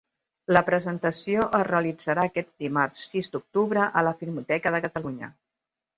La presentació es realitzarà aquest dimarts sis d'octubre a la Filmoteca de Catalunya.